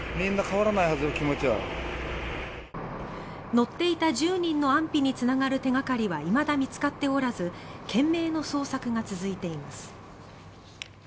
乗っていた１０人の安否につながる手掛かりはいまだ見つかっておらず懸命の捜索が続いています。